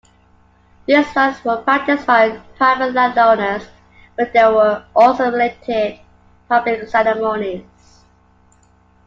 These rites were practised by private landowners, but there were also related public ceremonies.